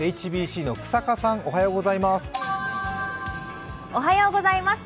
ＨＢＣの日下さん、おはようございます。